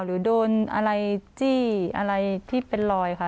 หรือโดนอะไรจี้อะไรที่เป็นรอยค่ะ